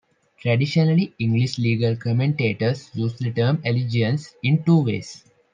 Traditionally, English legal commentators used the term "allegiance" in two ways.